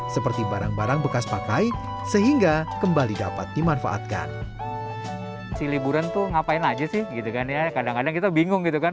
seperti barang barang bekas pakai sehingga kembali dapat dimanfaatkan